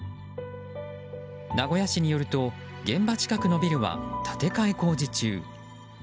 名古屋市によると現場近くのビルは建て替え工事中。